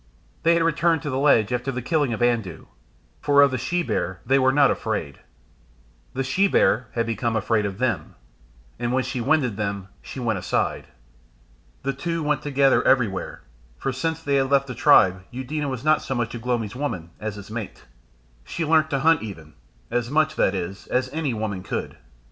They had returned to the ledge after the killing of Andoo; for of the she bear they were not afraid. The she bear had become afraid of them, and when she winded them she went aside. The two went together everywhere; for since they had left the tribe Eudena was not so much Ugh lomi's woman as his mate; she learnt to hunt even as much, that is, as any woman could.